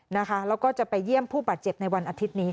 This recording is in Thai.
แล้วก็จะไปเยี่ยมผู้บาดเจ็บในวันอาทิตย์นี้ค่ะ